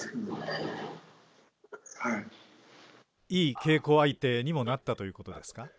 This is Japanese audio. いい稽古相手にもなったということですか？